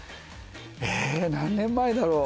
え何年前だろう。